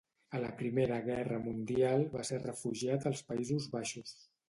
A la Primera Guerra Mundial, va ser refugiat als Països Baixos.